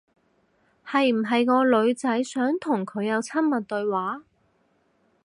係唔係個女仔想同佢有親密對話？